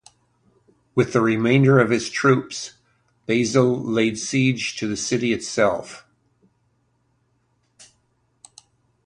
With the remainder of his troops, Basil laid siege to the city itself.